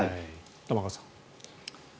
玉川さん。